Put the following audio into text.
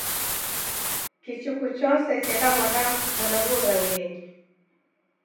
Kichuku chose chendaw'ada mwana w'ughangenyi.